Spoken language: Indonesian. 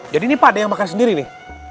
jadi ini pade yang makan sendiri nih